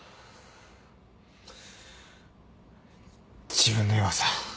自分の弱さ。